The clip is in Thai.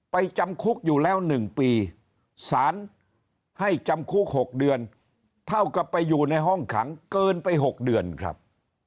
จำคุกอยู่แล้ว๑ปีสารให้จำคุก๖เดือนเท่ากับไปอยู่ในห้องขังเกินไป๖เดือนครับ